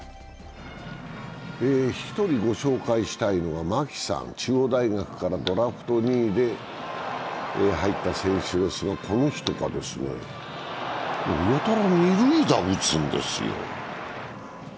１人ご紹介したいのが牧さん、中央大学からドラフト２位で入った選手ですが、この人が、やたら二塁打を打つんですよ。